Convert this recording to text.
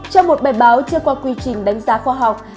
trong một bài báo chưa qua quy trình đánh giá khoa học